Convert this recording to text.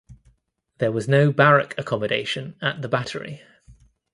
There was no barrack accommodation at the battery.